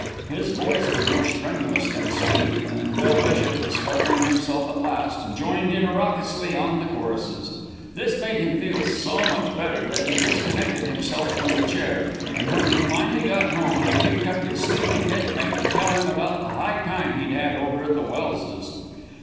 His voice was more strenuous than sweet, and Del Bishop, discovering himself at last, joined in raucously on the choruses. This made him feel so much better that he disconnected himself from the chair, and when he finally got home he kicked up his sleepy tent mate to tell him about the high time he'd had over at the Welse's.